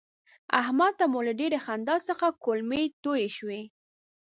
احمد ته مو له ډېرې خندا څخه کولمې توی شوې.